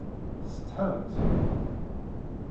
Tessetḥamt?